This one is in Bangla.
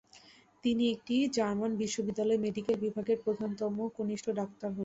তিনি একটি জার্মান বিশ্ববিদ্যালয়ের মেডিকেল বিভাগের প্রধানতম কনিষ্ঠ ডাক্তার হন।